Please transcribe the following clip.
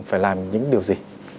phải làm những điều gì